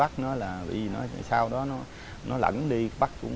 có ai ở nhà không